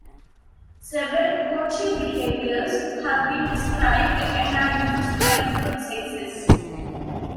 Several courtship behaviors have been described and are used by both sexes.